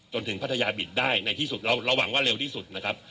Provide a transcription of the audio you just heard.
พัทยาบิตได้ในที่สุดเราหวังว่าเร็วที่สุดนะครับ